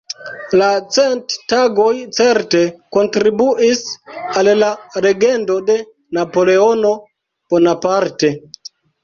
La Cent-Tagoj certe kontribuis al la legendo de Napoleono Bonaparte.